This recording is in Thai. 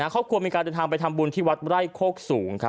ครอบครัวมีการเดินทางไปทำบุญที่วัดไร่โคกสูง